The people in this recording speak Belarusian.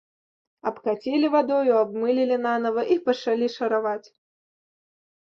Абкацілі вадою, абмылілі нанава і пачалі шараваць.